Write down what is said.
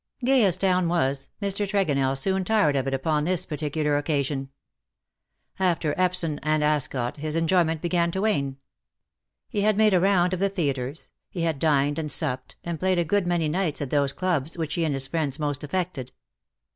Gay as town was, Mr. Tregonell soon tired of it upon this particular occasion. After Epsom and Ascot his enjoyment began to wane. He had made a round of the theatres — he had dined and supped, and played a good many nights at those clubs which he and his friends most affected.